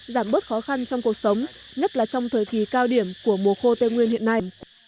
giảm bớt khó khăn trong cuộc sống nhất là trong thời kỳ cao điểm của mùa khô tây nguyên hiện nay